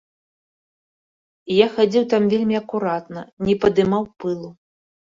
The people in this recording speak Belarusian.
Я хадзіў там вельмі акуратна, не падымаў пылу.